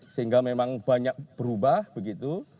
sehingga memang banyak berubah begitu